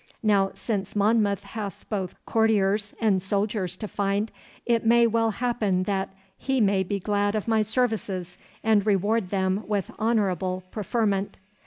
Now, since Monmouth hath both courtiers and soldiers to find, it may well happen that he may be glad of my services and reward them with honourable preferment.